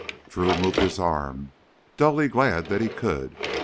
Drew moved his arm, dully glad that he could.